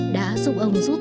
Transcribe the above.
đã giúp ông rút sức